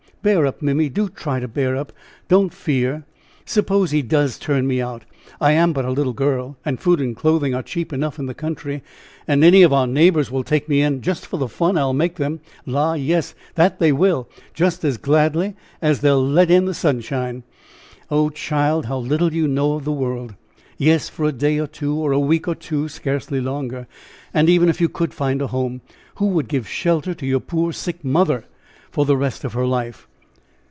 Bear up, Mimmy; do try to bear up; don't fear; suppose he does turn me out. I am but a little girl, and food and clothing are cheap enough in the country, and any of our neighbors will take me in just for the fun I'll make them. La! yes, that they will, just as gladly as they will let in the sunshine." "Oh, child, how little you know of the world. Yes, for a day or two, or a week or two, scarcely longer. And even if you could find a home, who would give shelter to your poor, sick mother for the rest of her life?"